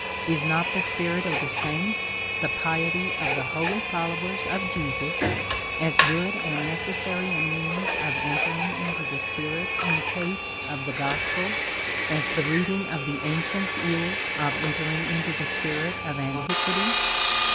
Is not the spirit of the saints, the piety of the holy fol lowers of Jesus Christ, as good and necessary a means of entering into the spirit and taste of the gospel as the reading of the ancients is of entering into the spirit of antiquity